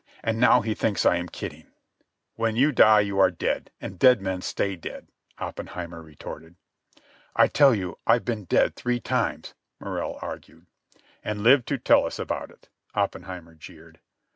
And now he thinks I am kidding." "When you die you are dead, and dead men stay dead," Oppenheimer retorted. "I tell you I've been dead three times," Morrell argued. "And lived to tell us about it," Oppenheimer jeered.